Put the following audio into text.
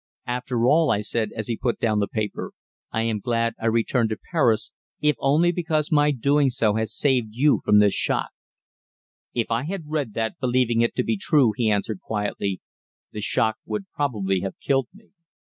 "After all," I said as he put the paper down, "I am glad I returned to Paris, if only because my doing so has saved you from this shock." "If I had read that, believing it to be true," he answered quietly, "the shock would probably have killed me."